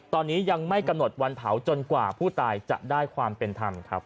ตอนนี้ยังไม่กำหนดวันเผาจนกว่าผู้ตายจะได้ความเป็นธรรมครับ